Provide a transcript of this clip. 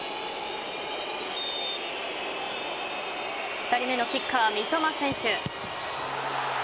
２人目のキッカー・三笘選手。